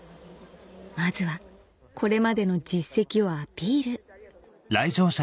まずはこれまでの実績をアピール